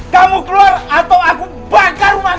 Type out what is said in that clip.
kamu keluar atau aku bakar rumah kamu